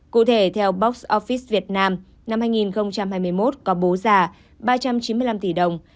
cụ thể theo box office việt nam năm hai nghìn hai mươi một có bố già ba trăm chín mươi năm tỷ đồng